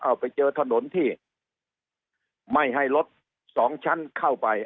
เอาไปเจอถนนที่ไม่ให้รถสองชั้นเข้าไป